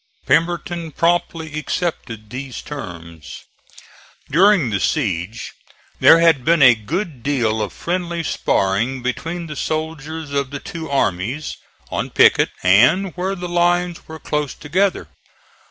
Pemberton promptly accepted these terms. During the siege there had been a good deal of friendly sparring between the soldiers of the two armies, on picket and where the lines were close together.